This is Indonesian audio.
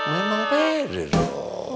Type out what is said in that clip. memang pede dong